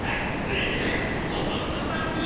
えっ小松田さんに！？